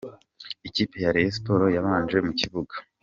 Ikipe ya Rayon Sports yabanje mu kibuga.